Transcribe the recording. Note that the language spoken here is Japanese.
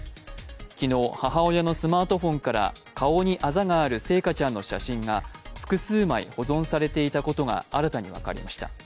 昨日、母親のスマートフォンから顔にあざがある星華ちゃんの写真が複数枚、保存されていたことが新たに分かりました。